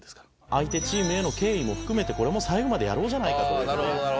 相手チームへの敬意も含めてこれも最後までやろうじゃないかという。